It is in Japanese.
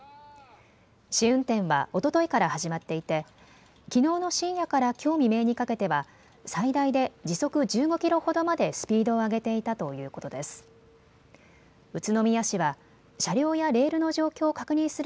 試運転はおとといから始まっていてきのうの深夜からきょう未明にかけては最大で時速１５キロほどまでスピードを上げていたということです。